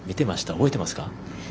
覚えてますか？